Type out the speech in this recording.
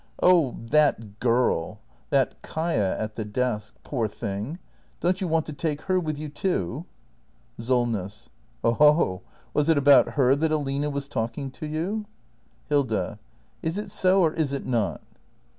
Oh — that girl — that Kaia at the desk. Poor thing — don't you want to take her with you too ? SOLNESS. Oho! Was it about her that Aline was talking to you ? Hilda. Is it so — or is it not